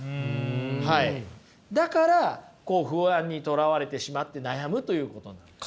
だからこう不安にとらわれてしまって悩むということなんですね。